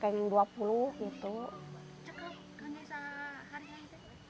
berapa harinya teh